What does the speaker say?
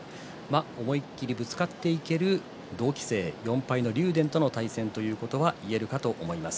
思い切りぶつかっていける同期生４敗の竜電との対戦ということはいえると思います。